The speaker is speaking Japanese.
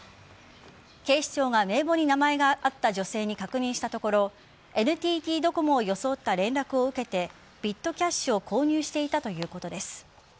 警視庁が名簿に名前があった女性に確認したところＮＴＴドコモを装った連絡を受けてビットキャッシュを購入していたということです。